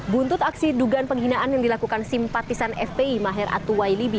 buntut aksi dugaan penghinaan yang dilakukan simpatisan fpi maher atuwailibi